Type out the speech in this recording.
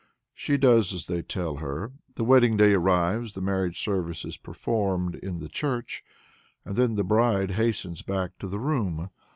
She does as they tell her. The wedding day arrives, the marriage service is performed in the church, and then the bride hastens back to the room.